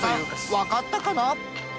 わかったかな？